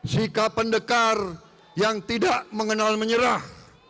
sikap pendekar yang tidak mengenal menyerah